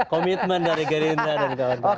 komitmen dari gerindra dan kawan kawan